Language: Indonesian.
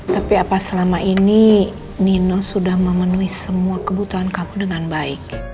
tapi apa selama ini nino sudah memenuhi semua kebutuhan kamu dengan baik